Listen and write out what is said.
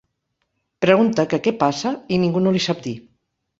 Pregunta que què passa i ningú no li sap dir.